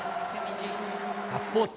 ガッツポーズ。